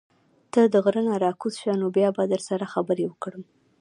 ته د غرۀ نه راکوز شه نو بيا به در سره خبرې وکړم